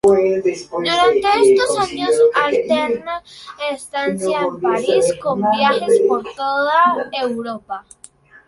Durante estos años alterna estancia en París con viajes por toda Europa.